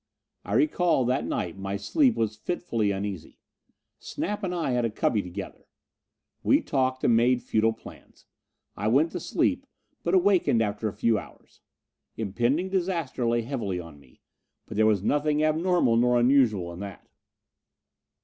I recall, that night, my sleep was fitfully uneasy. Snap and I had a cubby together. We talked, and made futile plans. I went to sleep, but awakened after a few hours. Impending disaster lay heavily on me. But there was nothing abnormal nor unusual in that!